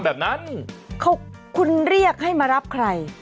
แล้วก็ขับไป